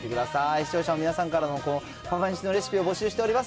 視聴者の皆さんからのレシピを募集しております。